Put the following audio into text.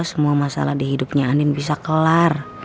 semoga semua masalah di hidupnya andin bisa kelar